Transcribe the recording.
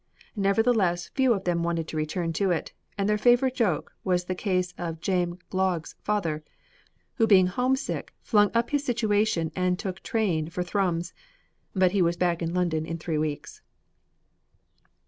Nevertheless few of them wanted to return to it, and their favorite joke was the case of James Gloag's father, who being home sick flung up his situation and took train for Thrums, but he was back in London in three weeks.